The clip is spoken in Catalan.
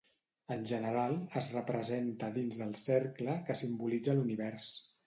En general es representa dins del cercle, que simbolitza l'univers.